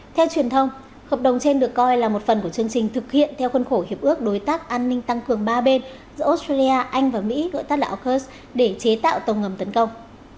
theo truyền thông hợp đồng trên được coi là một phần của chương trình thực hiện theo khuân khổ hiệp ước đối tác an ninh tăng cường ba bên giữa australia anh và mỹ gọi tắt là aukus để chế tạo tàu ngầm tấn công